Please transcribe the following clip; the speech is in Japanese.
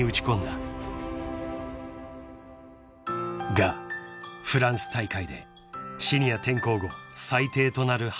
［がフランス大会でシニア転向後最低となる８位］